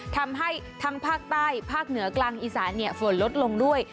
ทำให้ทั้งภาคใต้ภาคเหนือกลางอีสานฝนลดลงด้วย